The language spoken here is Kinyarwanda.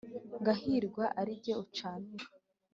Ngahirwa ari jye ucanira,